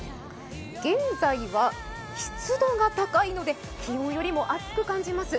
現在は湿度が高いので気温よりも暑く感じます。